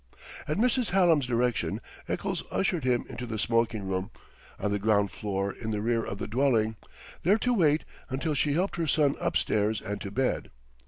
At Mrs. Hallam's direction, Eccles ushered him into the smoking room, on the ground floor in the rear of the dwelling, there to wait while she helped her son up stairs and to bed.